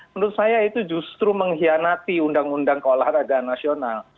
menurut saya itu justru menghianati undang undang keolahraga nasional